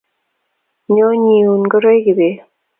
Nyoo, nyiun ngoroik kibet